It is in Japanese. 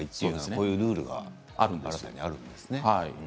こういうルールがあるんですね。